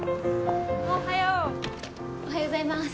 おはようございます。